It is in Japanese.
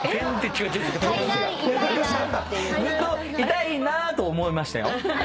ずっといたいなぁと思いましたよ。